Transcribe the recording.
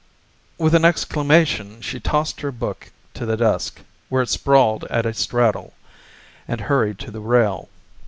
With an exclamation she tossed her book to the desk, where it sprawled at a straddle, and hurried to the rail.